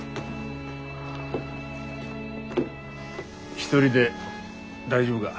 一人で大丈夫が？